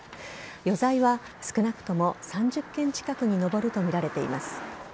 余罪は少なくとも３０件近くに上るとみられています。